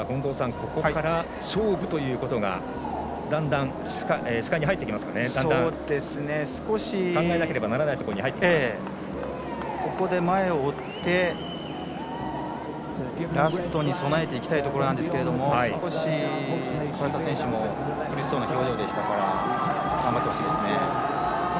ここから勝負ということがだんだん考えなければいけないところにここで前を追ってラストに備えていきたいところなんですけど少し唐澤選手も苦しそうな表情でしたから頑張ってほしいですね。